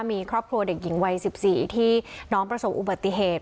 มีครอบครัวเด็กหญิงวัย๑๔ที่น้องประสบอุบัติเหตุ